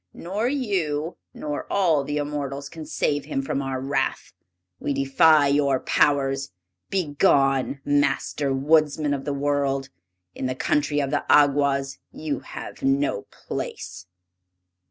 Nor you, nor all the immortals can save him from our wrath. We defy your powers! Begone, Master Woodsman of the World! In the country of the Awgwas you have no place."